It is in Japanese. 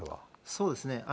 そうですね。